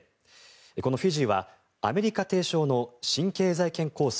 このフィジーはアメリカ提唱の新経済圏構想